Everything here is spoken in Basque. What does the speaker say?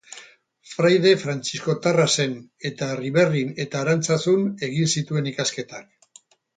Fraide frantziskotarra zen, eta Erriberrin eta Arantzazun egin zituen ikasketak.